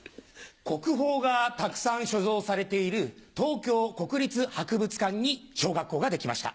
国宝がたくさん所蔵されている東京国立博物館に小学校ができました。